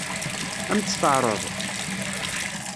Ad m-tt-teɛṛeḍ?